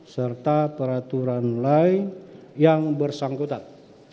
serta peraturan lain yang bersangkutan